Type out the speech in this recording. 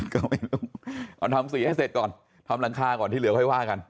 ก็ไม่รู้เอาทำสีให้เสร็จก่อนทำหลังคาก่อนที่เหลือค่อยว่ากัน